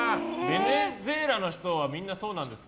ベネズエラの人はみんなそうなんですか？